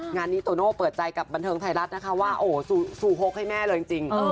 งานนี้โตโน่เปิดใจกับบันเทิงไทยรัฐนะคะว่าโอ้โหซูฮกให้แม่เลยจริง